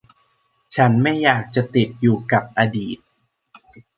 ฉันไม่อยากจะติดอยู่กับอดีต